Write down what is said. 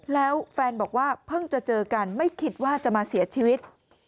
แล้วแฟนบอกว่าเพิ่งจะเจอกันไม่คิดว่าจะมาเสียชีวิต